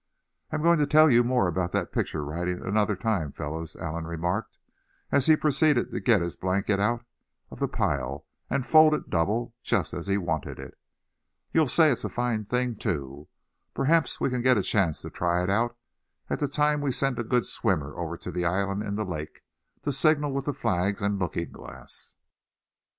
"I'm going to tell you more about that picture writing another time, fellows," Allan remarked, as he proceeded to get his blanket out of the pile, and fold it double, just as he wanted it. "You'll say it's a fine thing too. Perhaps we can get a chance to try it out at the time we send a good swimmer over to the island in the lake, to signal with the flags and looking glass."